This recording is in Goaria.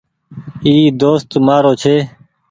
ايٚ دوست مآرو ڇي